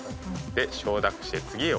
で「承諾して次へ」